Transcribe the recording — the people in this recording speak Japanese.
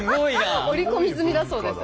織り込み済みだそうです。